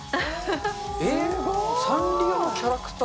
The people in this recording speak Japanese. えっ、サンリオのキャラクター？